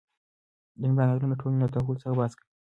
د عمران علم د ټولنې له تحول څخه بحث کوي.